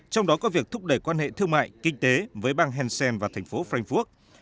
trong đó có việc thúc đẩy quan hệ thương mại kinh tế với bang hessen và thành phố frankfurt